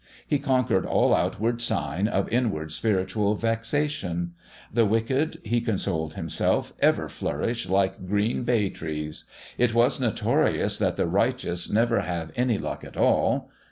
He conquered all outward sign of inward spiritual vexation; the wicked, he consoled himself, ever flourish like green bay trees. It was notorious that the righteous never have any luck at all!